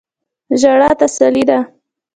ژړا تسلی ده.